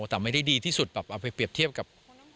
แต่ไม่ได้ดีที่สุดแบบเอาไปเปรียบเทียบกับ